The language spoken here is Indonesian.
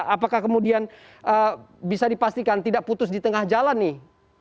apakah kemudian bisa dipastikan tidak putus di tengah jalan nih